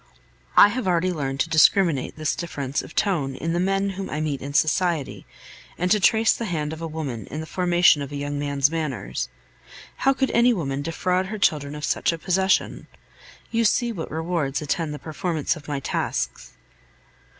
I have already learned to discriminate this difference of tone in the men whom I meet in society, and to trace the hand of a woman in the formation of a young man's manners. How could any woman defraud her children of such a possession? You see what rewards attend the performance of my tasks!